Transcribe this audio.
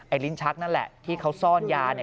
ลิ้นชักนั่นแหละที่เขาซ่อนยาเนี่ย